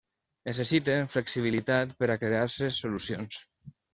Necessiten flexibilitat per a crear-se solucions.